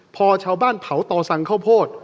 พอชาวบ้านเผาต่อสั่งข้าวโพด